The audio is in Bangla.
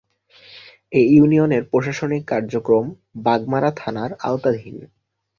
এ ইউনিয়নের প্রশাসনিক কার্যক্রম বাগমারা থানার আওতাধীন।